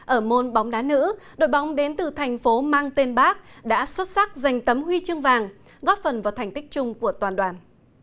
ở môn bóng đá nữ đội bóng đến từ thành phố mang tên bác đã xuất sắc giành tấm huy chương vàng góp phần vào thành tích chung của toàn đoàn